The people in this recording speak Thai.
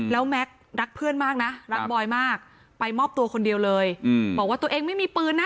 แล้วแม็กซ์รักเพื่อนมากนะรักบอยมากไปมอบตัวคนเดียวเลยบอกว่าตัวเองไม่มีปืนนะ